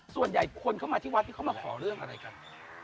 ส่วนใหญ่คนเข้ามาที่วัดนี้เขามาขอเรื่องอะไรกัน